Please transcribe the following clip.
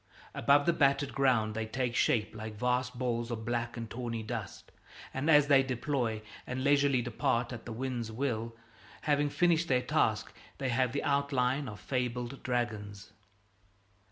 Above the battered ground they take shape like vast balls of black and tawny dust; and as they deploy and leisurely depart at the wind's will, having finished their task, they have the outline of fabled dragons.